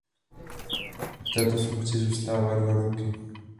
V této funkci zůstává dva roky.